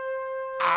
あ！